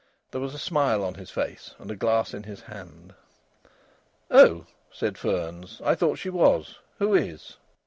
There was a smile on his face and a glass in his hand. "Oh!" said Fearns. "I thought she was. Who is?"